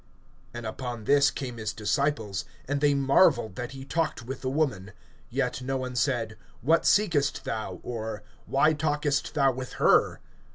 (27)And upon this came his disciples; and they marveled that he talked with the woman[4:27]. Yet no one said: What seekest thou? or, Why talkest thou with her?